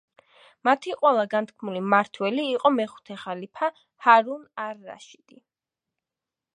მათი ყველა განთქმული მართველი იყო მეხუთე ხალიფა, ჰარუნ არ-რაშიდი.